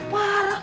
wah lo parah